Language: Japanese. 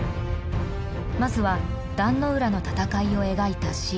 まずは壇ノ浦の戦いを描いたシーン。